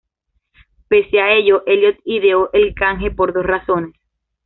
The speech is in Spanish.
Pese a ello, Elliot ideó el canje por dos razones.